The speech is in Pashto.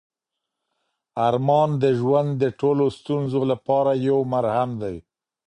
ارمان د ژوند د ټولو ستونزو لپاره یو مرهم دی.